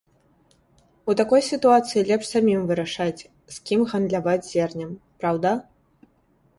У такой сітуацыі лепш самім вырашаць, з кім гандляваць зернем, праўда?